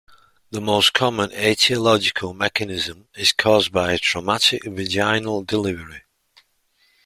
The most common aetiological mechanism is caused by a traumatic vaginal delivery.